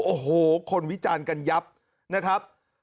โอ้โหคนวิจารณ์กันยับนะครับ